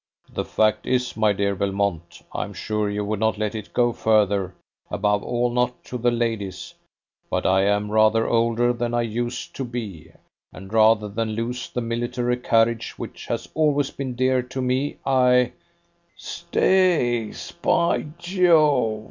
"The fact is, my dear Belmont I'm sure you would not let it go further above all not to the ladies; but I am rather older than I used to be, and rather than lose the military carriage which has always been dear to me, I " "Stays, be Jove!"